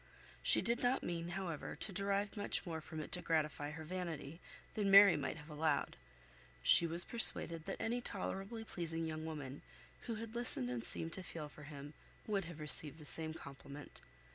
She did not mean, however, to derive much more from it to gratify her vanity, than Mary might have allowed. She was persuaded that any tolerably pleasing young woman who had listened and seemed to feel for him would have received the same compliment.